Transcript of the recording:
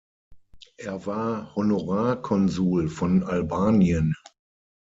Er war Honorarkonsul von Albanien.